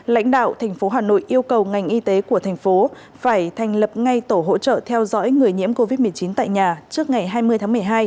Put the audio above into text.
lãnh đạo thành phố hà nội yêu cầu ngành y tế của thành phố phải thành lập ngay tổ hỗ trợ theo dõi người nhiễm covid một mươi chín tại nhà trước ngày hai mươi tháng một mươi hai